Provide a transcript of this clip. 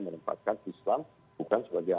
menempatkan islam bukan sebagai